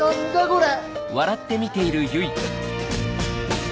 これ。